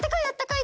だって！